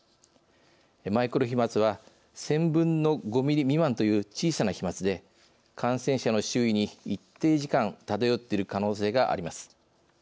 マイクロ飛まつは１０００分の５ミリ未満という小さな飛まつで感染者の周囲に一定時間漂っている可能性があります。